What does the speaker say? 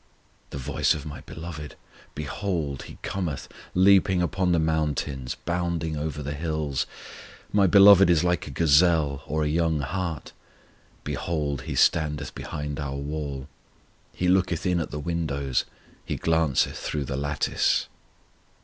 The voice of my Beloved: Behold He cometh Leaping upon the mountains, bounding over the hills. My Beloved is like a gazelle or a young hart; Behold He standeth behind our wall, He looketh in at the windows, He glanceth through the lattice.